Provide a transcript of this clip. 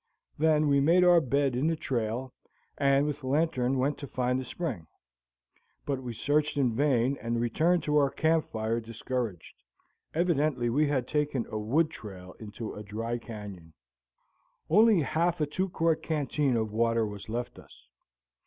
Then we made our bed in the trail, and with lantern went to find the spring; but we searched in vain and returned to our camp fire discouraged. Evidently we had taken a wood trail into a dry canyon. Only half a two quart canteen of water was left us.